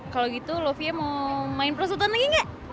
kalau gitu lovia mau main prosotan lagi enggak